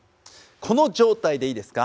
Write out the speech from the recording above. この状態でいいですか？